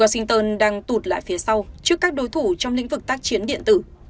washington đang tụt lại phía sau trước các đối thủ trong lĩnh vực tác chiến điện tử